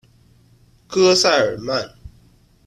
戈塞尔曼。